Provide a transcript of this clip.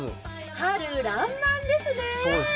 春らんまんですね。